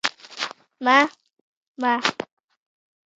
_ما، ما